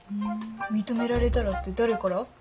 認められたらって誰から？